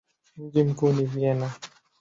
Mji mkuu ni Vienna.